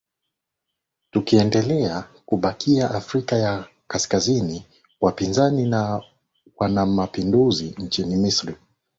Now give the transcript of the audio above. tukiendelea kubakia afrika ya kaskazini wapinzani na wanamapinduzi nchini misri